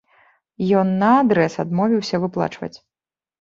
Ён наадрэз адмовіўся выплачваць.